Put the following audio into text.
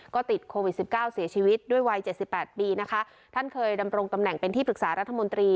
ก็ติดโควิดสิบเก้าเสียชีวิตด้วยวัยเจ็ดสิบแปดปีนะคะท่านเคยดำรงตำแหน่งเป็นที่ปรึกษารัฐมนตรี